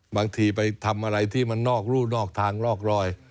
บางทีไปทำอะไรที่มันนอกรู่นอกทางนอกรอย